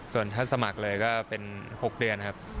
ส่วนท่านสมัครเลยก็เป็น๖เดือนครับ